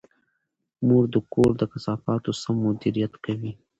مور د کور د کثافاتو سم مدیریت کوي.